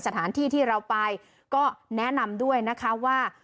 สถานที่ที่เราไปก็แนะนำด้วยนะคะว่า